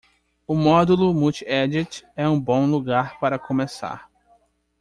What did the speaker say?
O módulo multi-edit é um bom lugar para começar.